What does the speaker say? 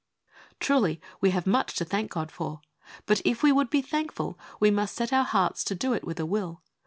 89 Truly, we have much to thank God for, but if we would be thankful, we must set our hearts to do it with a will.